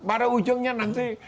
udah ujungnya nanti